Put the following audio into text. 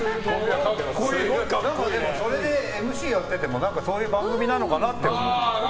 でも、それでＭＣやっててもそういう番組なのかなって。